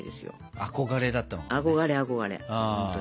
憧れ憧れ本当に。